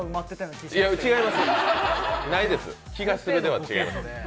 気がする、は違います。